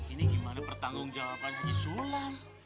ini gimana pertanggung jawaban haji sulam